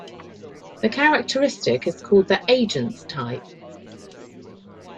The characteristic is called the agent's "type".